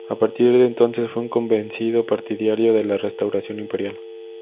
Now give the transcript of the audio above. A partir de entonces fue un convencido partidario de la restauración imperial.